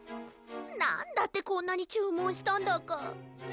なんだってこんなにちゅうもんしたんだか。